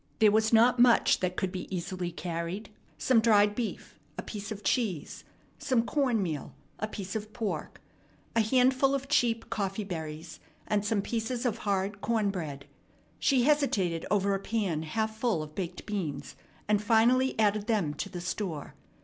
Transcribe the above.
There was not much that could be easily carried some dried beef, a piece of cheese, some corn meal, a piece of pork, a handful of cheap coffee berries, and some pieces of hard corn bread. She hesitated over a pan half full of baked beans, and finally added them to the store.